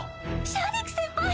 シャディク先輩！